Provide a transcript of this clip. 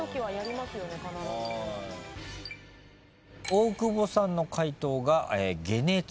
大久保さんの解答が。